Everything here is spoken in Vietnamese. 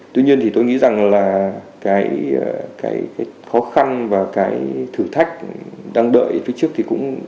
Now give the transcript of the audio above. tuy nhiên thì tôi nghĩ rằng là cái khó khăn và cái thử thách đang đợi phía trước thì cũng